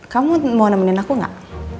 kamu mau nemenin aku gak